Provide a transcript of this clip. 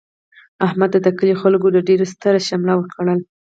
احمد ته د کلي خلکو د ډېر ستره شمله ورکړله.